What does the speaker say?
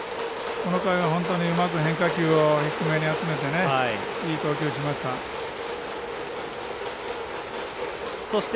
この回は本当にうまく変化球を低めに集めていい投球しました。